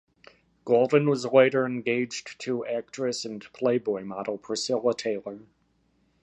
Goldin was later engaged to actress and "Playboy" model Priscilla Taylor.